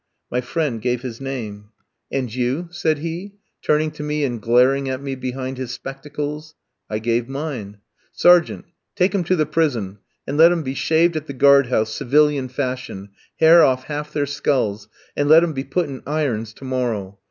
My friend gave his name. "And you?" said he, turning to me and glaring at me behind his spectacles. I gave mine. "Sergeant! take 'em to the prison, and let 'em be shaved at the guard house, civilian fashion, hair off half their skulls, and let 'em be put in irons to morrow.